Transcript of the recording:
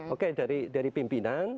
oke dari pimpinan